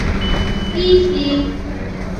হিহি।"